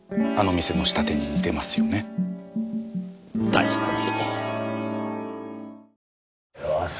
確かに。